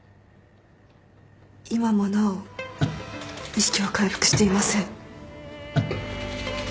今もなお意識は回復していません。